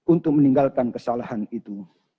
untuk meninggalkan kesalahan itu